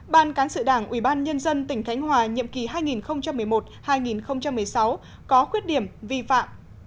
ban cán sự đảng ubnd tỉnh khánh hòa nhiệm kỳ hai nghìn một mươi một hai nghìn một mươi sáu có khuyết điểm vi phạm